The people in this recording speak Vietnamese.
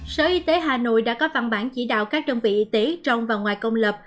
sở y tế hà nội đã có văn bản chỉ đạo các đơn vị y tế trong và ngoài công lập